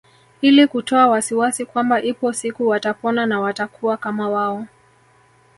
Ili kutoa wasiwasi kwamba ipo siku watapona na watakuwa kama wao